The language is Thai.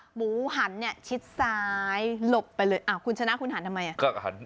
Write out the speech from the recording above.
หมูหันเนี่ยชิดซ้ายหลบไปเลยคุณชนะคุณหันทำไมอ่ะ